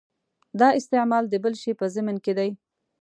دا استعمال د بل شي په ضمن کې دی.